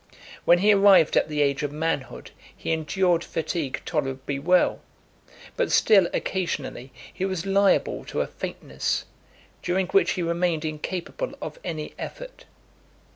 When he arrived at the age of manhood, he endured fatigue tolerably well; but still, occasionally, he was liable to a faintness, during which he remained incapable of any effort.